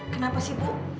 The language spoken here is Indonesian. kenapa sih bu